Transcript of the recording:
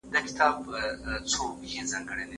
د پرېکړو پلي کېدو په ټولنه کي لوی بدلون راوست.